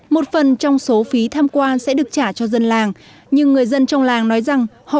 một phần trong số phí tham quan sẽ được trả cho dân làng nhưng người dân trong làng nói rằng họ